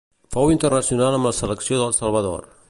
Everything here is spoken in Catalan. Fou internacional amb la selecció del Salvador.